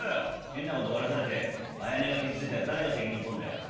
変なことバラされて綾音が傷ついたら誰が責任取んだよ。